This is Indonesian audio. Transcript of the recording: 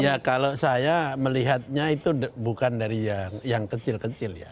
ya kalau saya melihatnya itu bukan dari yang kecil kecil ya